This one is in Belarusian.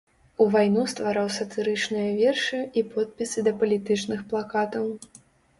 У вайну ствараў сатырычныя вершы і подпісы да палітычных плакатаў.